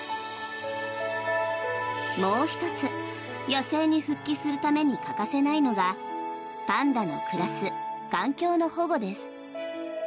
もう１つ、野生に復帰するために欠かせないのがパンダの暮らす環境の保護です。